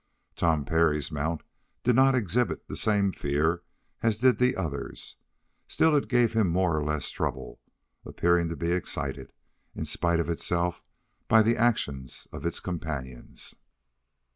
Tom Parry's mount did not exhibit the same fear as did the others. Still, it gave him more or less trouble, appearing to be excited, in spite of itself, by the actions of its companions.